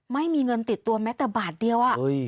ไม่มีเงินติดตัวแม้แต่บาทเดียว